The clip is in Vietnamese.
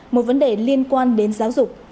một vấn đề liên quan đến giáo dục